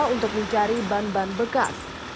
untuk mencari ban ban bekas